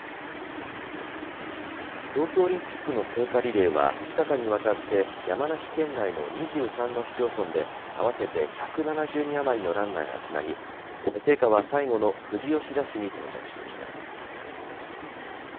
東京オリンピックの聖火リレーは２日間にわたって山梨県内の２３の市町村で合わせて１７０人余りのランナーがつなぎ聖火は最後の富士吉田市に到着しました。